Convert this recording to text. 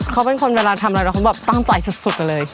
เขาเป็นคนเวลาทำอะไรตั้งใจสุดเลย